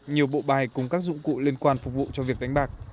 nhiều bộ bài cùng các dụng cụ liên quan phục vụ cho việc đánh bạc